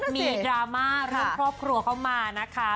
ดราม่าเรื่องครอบครัวเข้ามานะคะ